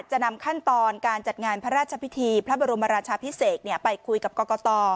นำขั้นตอนการจัดงานพระราชพิธีพระบรมราชาพิเศษไปคุยกับกรกต